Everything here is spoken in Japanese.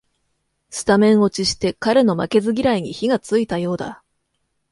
スタメン落ちして彼の負けず嫌いに火がついたようだ